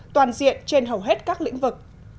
toàn diện trên hầu hết các lĩnh vực